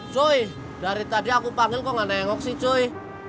cuy dari tadi aku panggil kok gak nengok sih cuy